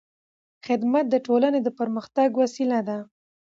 خدمت د ټولنې د پرمختګ وسیله ده.